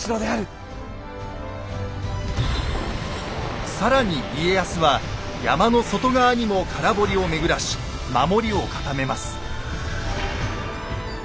もう更に家康は山の外側にも空堀を巡らし守りを固めます。